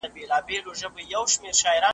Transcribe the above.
ټول پر دي مو وي شړلي خپل وطن خپل مو اختیار کې .